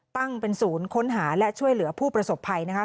ตั้งเป็นศูนย์ค้นหาและช่วยเหลือผู้ประสบภัยนะคะ